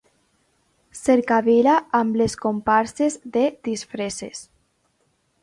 Cercavila amb les comparses de disfresses.